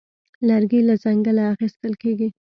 لرګی له ځنګله اخیستل کېږي.